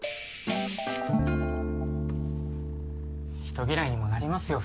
人嫌いにもなりますよ。